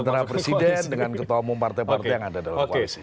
antara presiden dengan ketua umum partai partai yang ada dalam koalisi